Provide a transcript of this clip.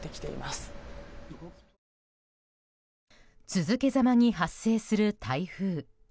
続けざまに発生する台風。